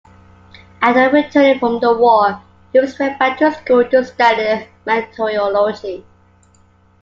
After returning from the war, Hughes went back to school to study Meteorology.